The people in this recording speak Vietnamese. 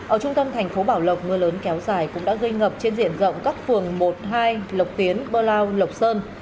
ở trung tâm thành phố bảo lộc mưa lớn kéo dài cũng đã gây ngập trên diện rộng các phường một hai lộc tiến bơ lao lộc sơn